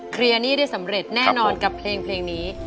หนี้ได้สำเร็จแน่นอนกับเพลงนี้